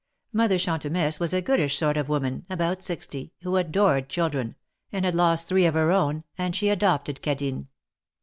Mother Chantemesse was a goodish sort of woman, about sixty, who adored children, and had lost three of her own, and she adopted Cadine.